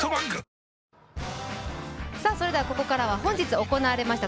それでは、ここからは本日行われました